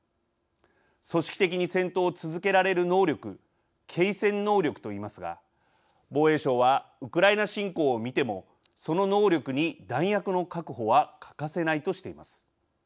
組織的に戦闘を続けられる能力継戦能力といいますが防衛省はウクライナ侵攻を見てもその能力に弾薬の確保は欠かせないとしています。